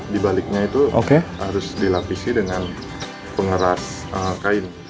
dibaliknya itu harus dilapisi dengan pengeras kain